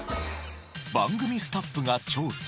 番組スタッフが調査。